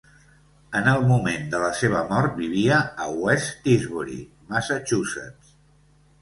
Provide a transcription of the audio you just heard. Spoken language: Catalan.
En el moment de la seva mort vivia a West Tisbury, Massachusetts.